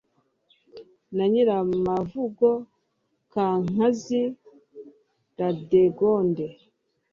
na nyiramavugo kankazi radegonde